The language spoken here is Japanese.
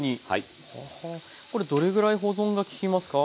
これどれぐらい保存が利きますか？